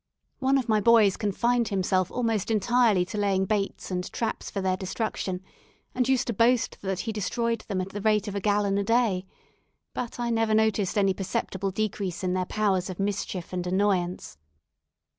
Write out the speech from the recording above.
One of my boys confined himself almost entirely to laying baits and traps for their destruction, and used to boast that he destroyed them at the rate of a gallon a day; but I never noticed any perceptible decrease in their powers of mischief and annoyance.